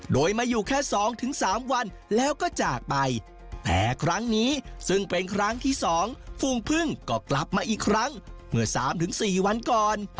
โดยมาอยู่แค่สองถึงสามวันแล้วก็จากไปแต่ครั้งนี้ซึ่งเป็นครั้งที่สองฝุ่งพึ่งก็กลับมาอีกครั้งเมื่อสามถึงสี่วันก่อน